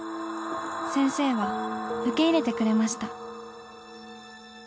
先生は受け入れてくれました」。